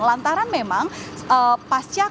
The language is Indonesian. lantaran memang pasca kemarin ini